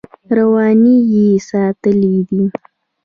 رواني یې ساتلې ده.